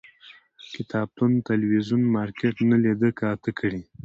کتابتون، تلویزون، مارکيټ نه لیده کاته کړي